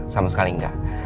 sama sekali enggak